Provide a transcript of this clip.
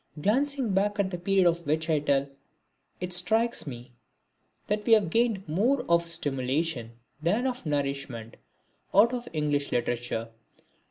Glancing back at the period of which I tell, it strikes me that we had gained more of stimulation than of nourishment out of English Literature.